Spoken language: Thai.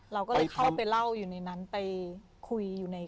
เราก็เลยเข้าไปเล่าอยู่ในนั้นไปคุยอยู่ใน